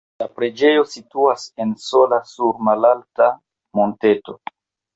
La preĝejo situas en sola sur malalta monteto.